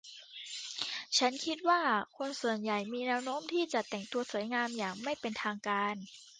ฉันคิดว่าคนส่วนใหญ่มีแนวโน้มที่จะแต่งตัวสวยงามอย่างไม่เป็นทางการ